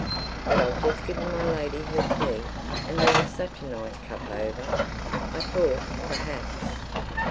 But I've just given my lady her tea, and there was such a nice cup over, I thought, perhaps....